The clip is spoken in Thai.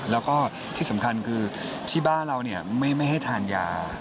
แล้วก็ที่สำคัญคือที่บ้านเราไม่ให้ทานยา